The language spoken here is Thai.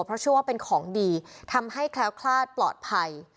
เพราะเชื่อว่าเป็นของดีทำให้แคล้วคลาดปลอดภัย